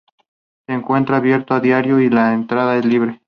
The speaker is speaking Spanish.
Se encuentra abierto a diario y la entrada es libre.